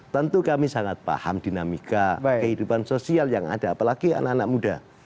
tentu kami sangat paham dinamika kehidupan sosial yang ada apalagi anak anak muda